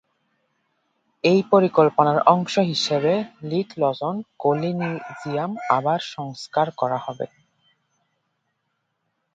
এই পরিকল্পনার অংশ হিসাবে, লিটলজন কলিজিয়াম আবার সংস্কার করা হবে।